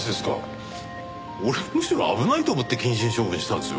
俺はむしろ危ないと思って謹慎処分にしたんですよ。